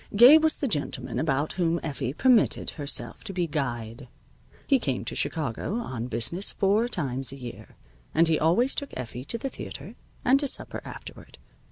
Gabe was the gentleman about whom Effie permitted herself to be guyed. He came to Chicago on business four times a year, and he always took Effie to the theater, and to supper afterward.